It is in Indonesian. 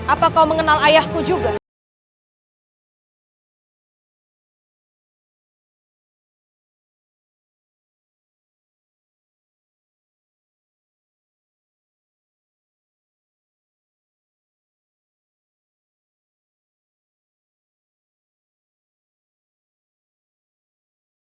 apa kau mengenal ayahku juga